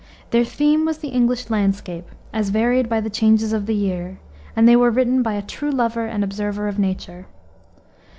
Their theme was the English landscape, as varied by the changes of the year, and they were written by a true lover and observer of nature.